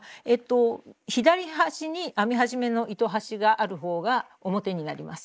左端に編み始めの糸端があるほうが表になります。